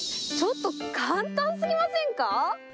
ちょっと簡単すぎませんか？